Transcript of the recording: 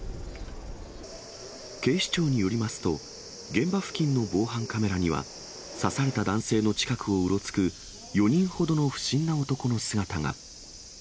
警視庁によりますと、現場付近の防犯カメラには、刺された男性の近くをうろつく４人ほどの不審な男の姿が。